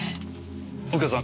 右京さん